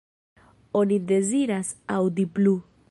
Oni deziras aŭdi plu.